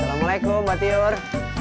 assalamu'alaikum mbak tiur